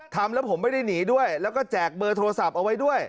ทำแล้วผมไม่ได้หนีด้วยแล้วก็แจกเบอร์โทรศัพท์เอาไว้ด้วย